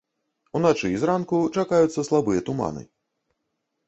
Уначы і зранку чакаюцца слабыя туманы.